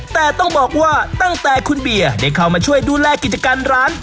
แต่ต้องบอกว่าตั้งแต่คุณเบียร์ได้เข้ามาช่วยดูแลกิจการร้าน